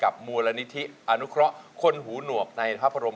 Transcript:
เพลงที่เจ็ดเพลงที่แปดแล้วมันจะบีบหัวใจมากกว่านี้